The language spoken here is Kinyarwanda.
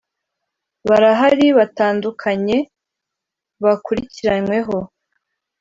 "barahari batandukanye bakurikiranyweho